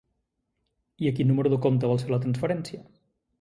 I a quin número de compte vols fer la transferència?